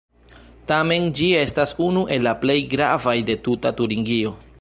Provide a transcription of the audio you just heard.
Tamen ĝi estas unu el la plej gravaj de tuta Turingio.